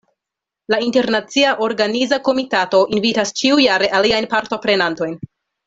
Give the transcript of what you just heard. La internacia organiza komitato invitas ĉiujare aliajn partoprenantojn.